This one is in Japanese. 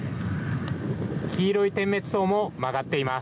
黄色い点滅灯も曲がっています。